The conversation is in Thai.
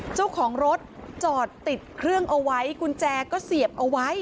เจ้าของรถจอดติดเครื่องเอาไว้กุญแจก็เสียบเอาไว้